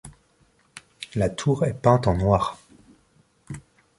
La tour est peinte en noire.